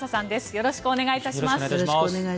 よろしくお願いします。